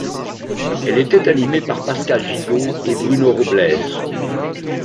Elle était animée par Pascal Gigot et Bruno Roblès.